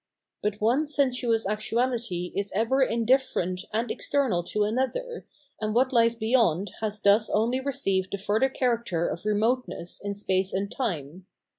But one sensuous actuality is ever indifferent and external to another, and what lies beyond has thus only received the further character of remoteness in space and time.